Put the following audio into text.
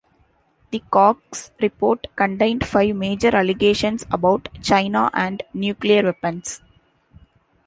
The Cox Report contained five major allegations about China and nuclear weapons.